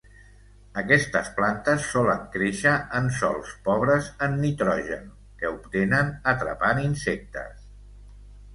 Aquestes plantes solen créixer en sòls pobres en nitrogen, que obtenen atrapant insectes.